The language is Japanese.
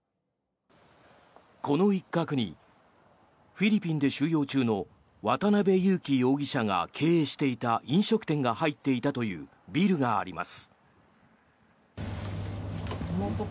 この一角にフィリピンで収容中の渡邉優樹容疑者が経営していた飲食店が入っていたというビルがあります。